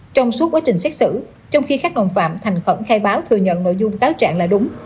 trong suốt quá trình xét xử trong khi khách nồng phạm thành khẩn khai báo thừa nhận nội dung cáo trạng là đúng